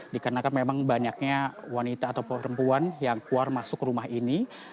dikarenakan memang banyaknya wanita atau perempuan yang keluar masuk rumah ini